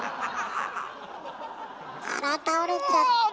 あら倒れちゃった。